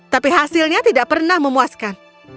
tapi hasilnya tidak pernah memuaskan